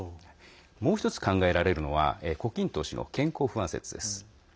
もう１つ考えられるのは胡錦涛氏の健康不安説です。